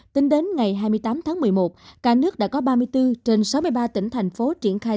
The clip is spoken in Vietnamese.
tính đến ngày hai mươi tám tháng một mươi một cả nước đã có ba mươi bốn trên sáu mươi ba tỉnh thành phố triển khai